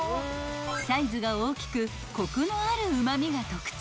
［サイズが大きくコクのあるうま味が特徴］